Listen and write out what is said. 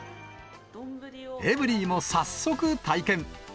エブリィも早速体験。